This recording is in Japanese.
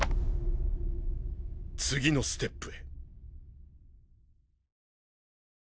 次のステップへ。